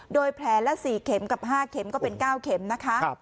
โดยแผลละ๔เข็มกับ๕เข็มก็เป็น๙เข็มนะคะ